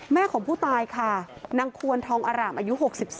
แม่ของผู้ตายค่ะนางควรทองอร่ามอายุ๖๒